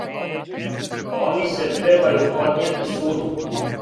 Они се требају поднијети суду.